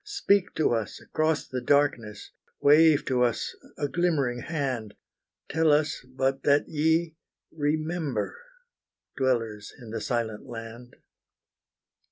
Speak to us across the darkness, wave to us a glimmering hand, Tell us but that ye remember, dwellers in the silent land!